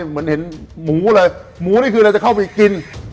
เหมือนเห็นหมูอะไร